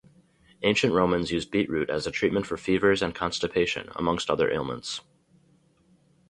Ancient Romans used beetroot as a treatment for fevers and constipation, amongst other ailments.